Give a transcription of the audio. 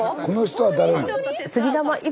この人は誰なの？